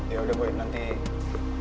yaudah boy nanti